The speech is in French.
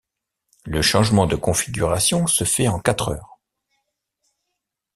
Le changement de configuration se fait en quatre heures.